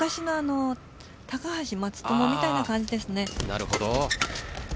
高橋・松友みたいな感じですね。